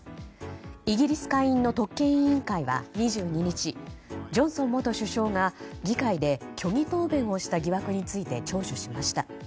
イギリス下院の特権委員会は２２日ジョンソン元首相が議会で虚偽答弁をした疑惑について聴取しました。